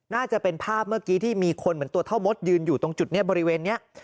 น่าจะเป็นภาพเมื่อกี้ที่มีคนเหมือนตัวเท่ามดยืนอยู่ตรงจุดนี้บริเวณนี้